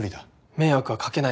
迷惑はかけないから。